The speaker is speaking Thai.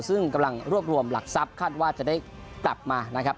ซึ่งกำลังรวบรวมหลักทรัพย์คาดว่าจะได้กลับมานะครับ